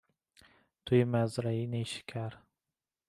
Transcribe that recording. توی مزارع نیشکر